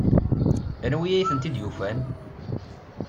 Anwi ay tent-id-yufan?